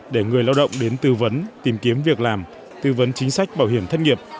để người lao động đến tư vấn tìm kiếm việc làm tư vấn chính sách bảo hiểm thất nghiệp